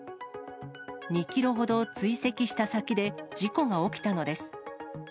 ２キロほど追跡した先で、事故が起きたのです。